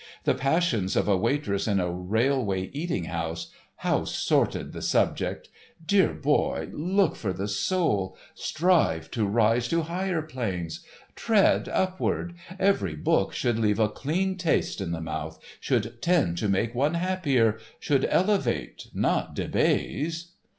The passions of a waitress in a railway eating house—how sordid the subject! Dear boy, look for the soul, strive to rise to higher planes! Tread upward; every book should leave a clean taste in the mouth, should tend to make one happier, should elevate, not debase.